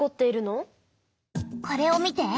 これを見て。